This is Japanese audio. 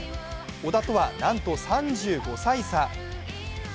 小田とは、なんと３５歳差。